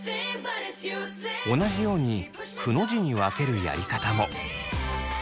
同じようにくの字に分けるやり方も。